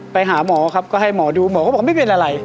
ไปหาหมอครับก็ให้หมอดูหมอก็บอกว่าไม่เป็นอะไร